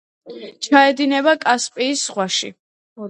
ჩაედინება კასპიის ზღვაში.